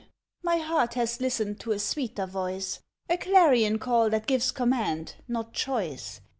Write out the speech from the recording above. My heart has listened to a sweeter voice, A clarion call that gives command—not choice.